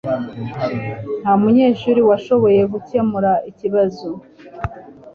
Nta munyeshuri washoboye gukemura ikibazo